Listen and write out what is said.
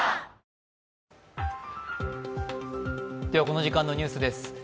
この時間のニュースです。